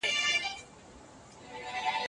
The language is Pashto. آیا ژوندپوهنه له ځمکپوهنې سره اړيکه لري؟